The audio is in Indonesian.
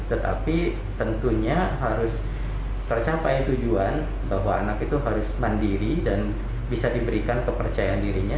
tetapi tentunya harus tercapai tujuan bahwa anak itu harus mandiri dan bisa diberikan kepercayaan dirinya